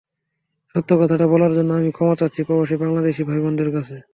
সত্য কথাটা বলার জন্য আমি ক্ষমা চাচ্ছি প্রবাসী বাংলাদেশি ভাইবোনদের কাছে।